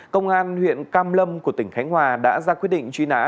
công an huyện cam lâm của tỉnh khánh hòa đã ra quyết định truy nã